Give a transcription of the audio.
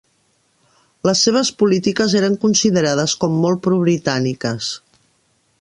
Les seves polítiques eren considerades com molt pro-britàniques.